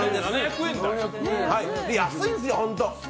安いんですよ、本当。